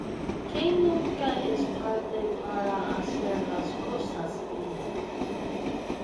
que nunca es tarde para hacer las cosas bien.